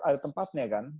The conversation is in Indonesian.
ada tempatnya kan